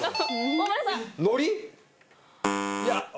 大村さん。